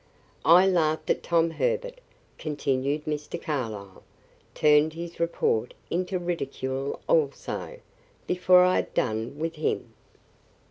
I laughed at Tom Herbert," continued Mr. Carlyle; "turned his report into ridicule also, before I had done with him."